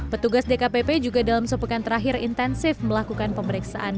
petugas dkpp juga dalam sepekan terakhir intensif melakukan pemeriksaan